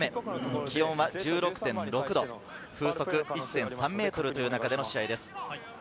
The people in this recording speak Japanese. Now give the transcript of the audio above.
気温は１６．６度、風速１．３メートルという中での試合です。